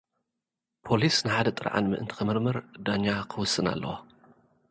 ፖሊስ ንሓደ ጥርዓን ምእንቲ ኽምርምር፡ ዳኛ ኽውስን ኣለዎ።